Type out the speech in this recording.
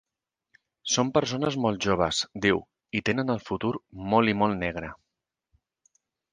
Són persones molt joves, diu i tenen el futur molt i molt negre.